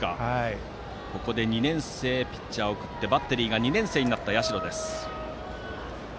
ここで２年生ピッチャーを送ってバッテリーが２年生になった社。